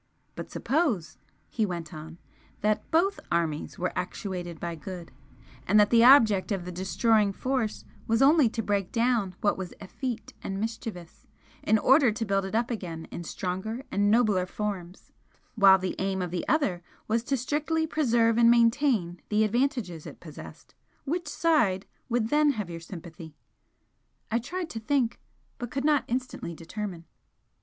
"But suppose" he went on "that BOTH armies were actuated by good, and that the object of the destroying force was only to break down what was effete and mischievous, in order to build it up again in stronger and nobler forms, while the aim of the other was to strictly preserve and maintain the advantages it possessed, which side would then have your sympathy?" I tried to think, but could not instantly determine.